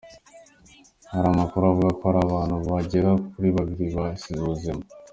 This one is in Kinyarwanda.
Hari amakuru avuga ko hari abantu bagera kuri babiri bahasize ubuzima.